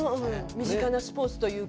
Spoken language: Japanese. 身近なスポーツというか。